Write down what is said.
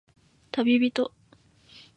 たびびと